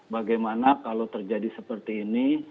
bagaimana kalau terjadi seperti ini